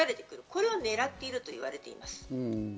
これを狙っているといわれています。